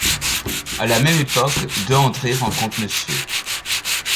À la même époque, DeAndre rencontre Mr.